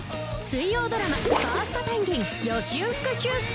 水曜ドラマ『ファーストペンギン！』